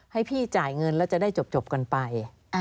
ให้พี่จ่ายเงินแล้วจะได้จบกันไป